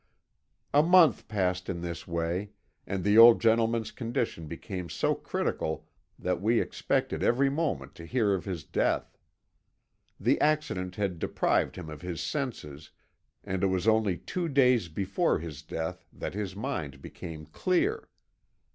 "A month passed in this way, and the old gentleman's condition became so critical that we expected every moment to hear of his death. The accident had deprived him of his senses, and it was only two days before his death that his mind became clear.